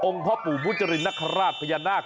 องค์พ่อปู่บุจรินนักฮาราชพญานาค